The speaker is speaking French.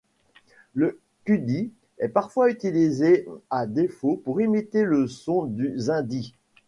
Le qudi est parfois utilisé à défaut pour imiter le son du xindi.